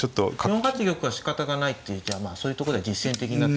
４八玉はしかたがないっていうじゃあまあそういうとこで実戦的な手を。